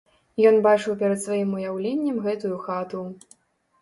Ён бачыў перад сваім уяўленнем гэтую хату.